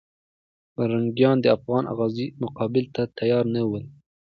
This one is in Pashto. پرنګیان د افغان غازیو مقابلې ته تیار نه ول.